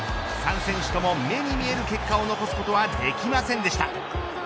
３選手とも目に見える結果を残すことはできませんでした。